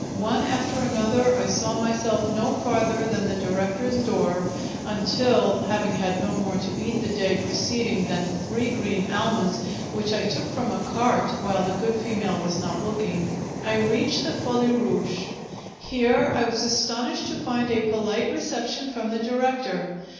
One after another, I saw myself no farther than the director's door, until (having had no more to eat the day preceding than three green almonds, which I took from a cart while the good female was not looking) I reached the Folie Rouge. Here I was astonished to find a polite reception from the director.